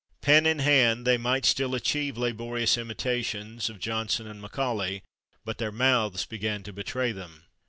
Pen in hand, they might still achieve laborious imitations of Johnson and Macaulay, but their mouths began to betray them.